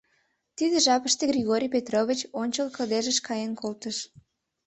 Тиде жапыште Григорий Петрович ончыл кыдежыш каен колтыш.